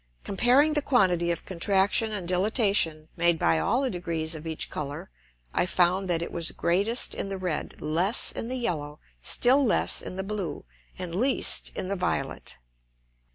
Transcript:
Comparing the quantity of Contraction and Dilatation made by all the degrees of each Colour, I found that it was greatest in the red; less in the yellow, still less in the blue, and least in the violet.